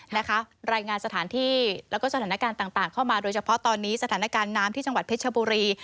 รายงานสถานที่แล้วก็สถานการณ์ต่างเข้ามาโดยเฉพาะตอนนี้สถานการณ์น้ำที่จังหวัดเพชรบุรี